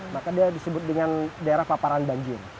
maka dia disebut dengan daerah paparan banjir